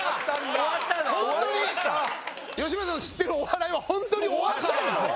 吉村さんの知ってるお笑いはホントに終わったんですよ。